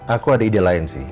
aku ada ide lain sih